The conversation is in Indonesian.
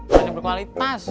koran yang berkualitas